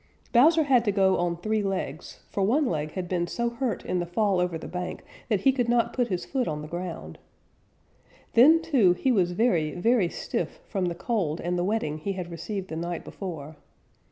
Bowser had to go on three legs, for one leg had been so hurt in the fall over the bank that he could not put his foot to the ground. Then, too, he was very, very stiff from the cold and the wetting he had received the night before.